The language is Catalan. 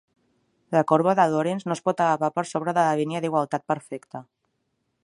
La corba de Lorenz no es pot elevar per sobre de la línia d'igualtat perfecta.